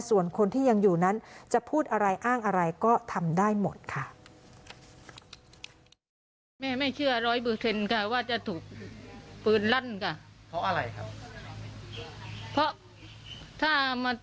ส่วนคนที่ยังอยู่นั้นจะพูดอะไรอ้างอะไรก็ทำได้หมดค่ะ